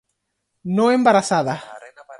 no embarazadas